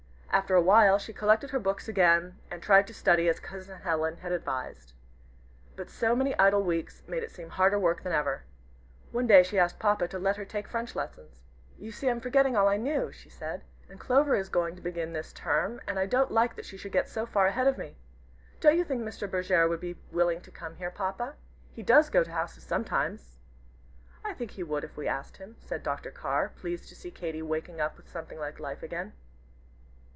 After a while she collected her books again, and tried to study as Cousin Helen had advised. But so many idle weeks made it seem harder work than ever. One day she asked Papa to let her take French lessons. "You see I'm forgetting all I knew," she said, "and Clover is going to begin this term, and I don't like that she should get so far ahead of me. Don't you think Mr. Bergèr would be willing to come here, Papa? He does go to houses sometimes." "I think he would if we asked him," said Dr. Carr, pleased to see Katy waking up with something like life again.